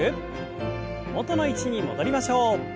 元の位置に戻りましょう。